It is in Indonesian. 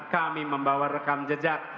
kami membawa rekam jejak